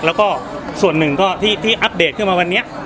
แล้วก็ส่วนหนึ่งก็ที่อัปเดตขึ้นมาวันนี้